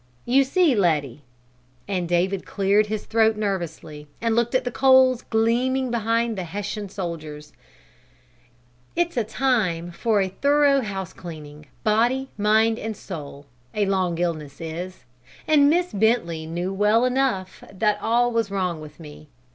"You see, Letty," and David cleared his throat nervously, and looked at the coals gleaming behind the Hessian soldiers, "it's a time for a thorough housecleaning, body, mind, and soul, a long illness is; and Miss Bentley knew well enough that all was wrong with me.